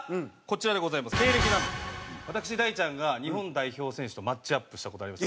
経歴なんですけども私大ちゃんが日本代表選手とマッチアップした事あります。